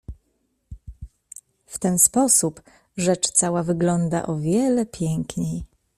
W ten sposób rzecz cała wygląda o wiele piękniej.